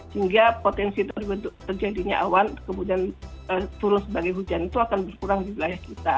sehingga potensi terjadinya awan kemudian turun sebagai hujan itu akan berkurang di wilayah kita